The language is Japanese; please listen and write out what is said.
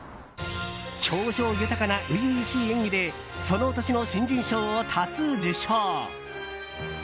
表情豊かな初々しい演技でその年の新人賞を多数受賞。